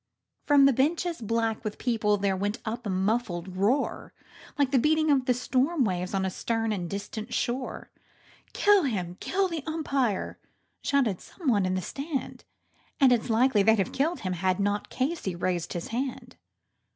From the bleachers black with people there rose a sullen roar, Like the beating of the storm waves on a stern and distant shore, "Kill him! kill the Umpire!" shouted some one from the stand And it's likely they'd have done it had not Casey raised his hand.